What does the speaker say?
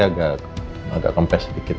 agak kempes sedikit